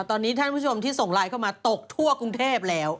ตอนนี้ท่านผู้ชมที่ส่งไลน์เข้ามาตกทั่วกรุงเทพแล้ว